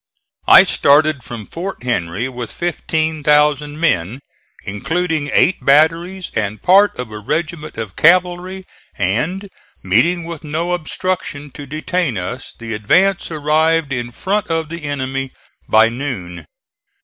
I started from Fort Henry with 15,000 men, including eight batteries and part of a regiment of cavalry, and, meeting with no obstruction to detain us, the advance arrived in front of the enemy by noon.